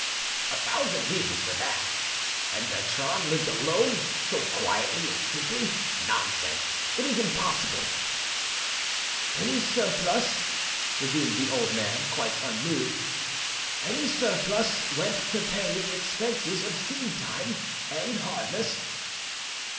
"What! a thousand livres for that? And Bertrande lived alone, so quietly and simply! Nonsense! it is impossible." "Any surplus," resumed the old man, quite unmoved,—"any surplus went to pay the expenses of seed time and harvest."